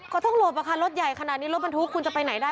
ก็ต้องหลบอะค่ะรถใหญ่ขนาดนี้รถบรรทุกคุณจะไปไหนได้